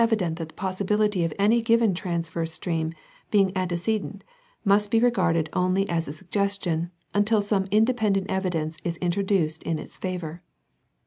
217 dent that the possibility of any given transverse stream being antecedent must be regarded only as a suggestion, until some inde pendent evidence is introduced in its favor.